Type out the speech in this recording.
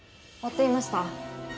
追っていました。